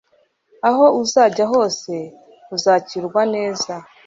Aho uzajya hose uzakirwa neza